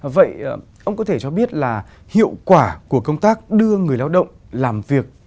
vậy ông có thể cho biết là hiệu quả của công tác đưa người lao động làm việc